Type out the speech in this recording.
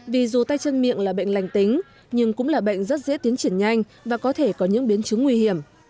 vì dù tay chân miệng là bệnh lành tính nhưng cũng là bệnh rất dễ tiến triển nhanh và có thể có những biến chứng nguy hiểm